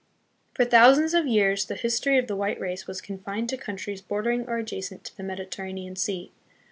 For thousands of years the history of the white race was confined to countries bordering or adjacent to the Mediterranean Sea.